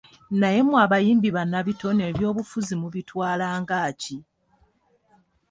Naye mwe abayimbi bannabitone ebyobufuzi mubitwala nga ki?